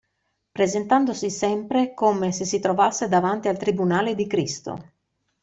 Presentandosi sempre come se si trovasse davanti al tribunale di Cristo.